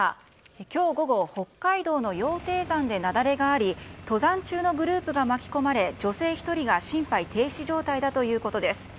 今日午後、北海道の羊蹄山で雪崩があり登山中のグループが巻き込まれ女性１人が心肺停止状態だということです。